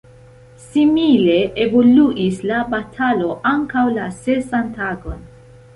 Simile evoluis la batalo ankaŭ la sesan tagon.